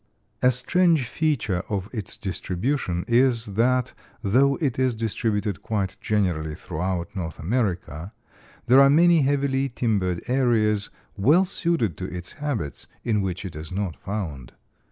A strange feature of its distribution is that, though it is distributed quite generally throughout North America, there are many heavily timbered areas, well suited to its habits, in which it is not found.